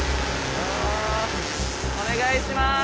お願いします。